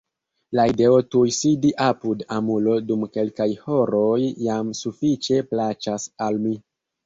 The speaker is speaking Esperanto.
La ideo tuj sidi apud amulo dum kelkaj horoj jam sufiĉe plaĉas al mi.